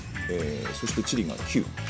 そしてチリが９。